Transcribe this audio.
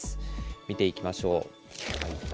見ていきましょう。